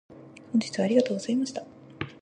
本日はありがとうございました。